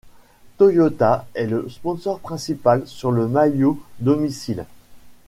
Toyota est le sponsor principal sur le maillot domicile.